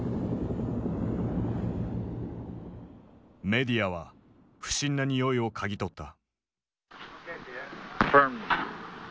メディアは不審なにおいを嗅ぎ取った。